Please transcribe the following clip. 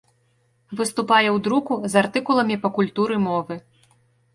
Выступае ў друку з артыкуламі па культуры мовы.